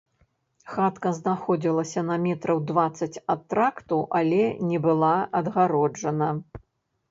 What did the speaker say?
Хатка знаходзілася на метраў дваццаць ад тракту, але не была адгароджана.